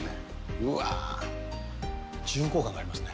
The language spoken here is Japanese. うわー、重厚感がありますね。